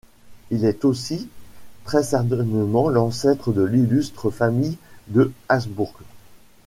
Il est aussi très certainement l'ancêtre de l'illustre famille de Habsbourg.